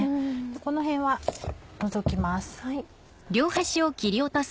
この辺は除きます。